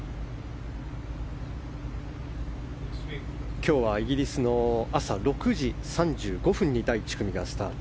今日はイギリスの朝６時３５分に第１組がスタート。